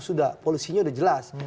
sudah polisinya sudah jelas